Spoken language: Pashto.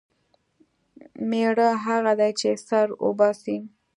مېړه هغه دی چې سر وباسي.